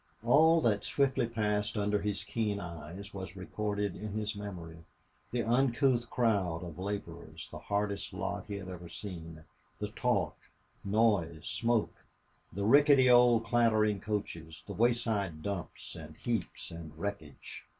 All that swiftly passed under his keen eyes was recorded in his memory the uncouth crowd of laborers, the hardest lot he had ever seen; the talk, noise, smoke; the rickety old clattering coaches; the wayside dumps and heaps and wreckage.